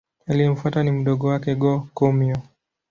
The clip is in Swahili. Aliyemfuata ni mdogo wake Go-Komyo.